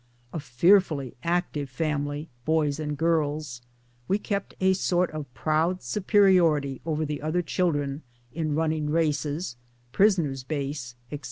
A fearfully active family, boys and girls, we kept a sort of proud superiority over the other children in running races, prisoners' base, etc.